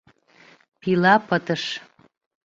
Пила пытыш.